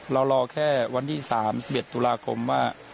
รอแค่วันที่๓๑ตุลาคมว่า